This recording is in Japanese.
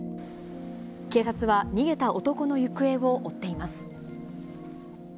警察は逃げた男の行方を追っています。